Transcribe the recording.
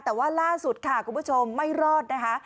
แต่ว่าล่าสุดค่ะคุณผู้ชมไม่รอดนะคะ